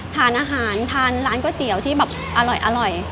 ทานอาหารทานร้านก๋วยเตี๋ยวที่แบบอร่อย